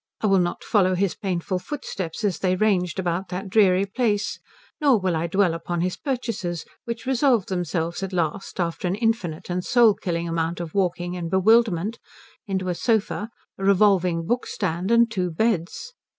I will not follow his painful footsteps as they ranged about that dreary place, nor will I dwell upon his purchases, which resolved themselves at last, after an infinite and soul killing amount of walking and bewilderment, into a sofa, a revolving bookstand, and two beds.